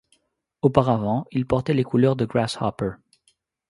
Auparavant, il portait les couleurs de Grasshopper.